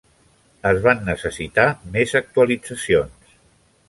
Es van necessitar més actualitzacions.